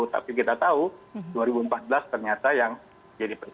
tapi kita tahu dua ribu empat belas ternyata yang jadi pertanyaan